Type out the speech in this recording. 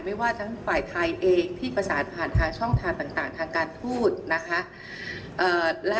ไม่ว่าทั้งฝ่ายไทยเองที่ประสานผ่านทางช่องทางต่างทางการทูตนะคะ